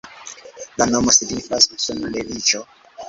La nomo signifas "sunleviĝo".